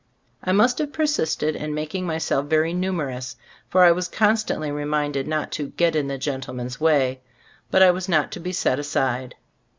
I must have persisted in making myself very numerous, for I was constantly reminded not to "get in the gentleman's way." But I was not to be set aside.